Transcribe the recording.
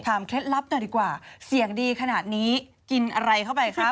เคล็ดลับหน่อยดีกว่าเสียงดีขนาดนี้กินอะไรเข้าไปคะ